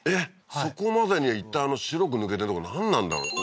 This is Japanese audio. そこまでにいったんあの白く抜けてるとこなんなんだろう？